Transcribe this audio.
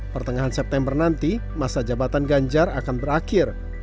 pertengahan september nanti masa jabatan ganjar akan berakhir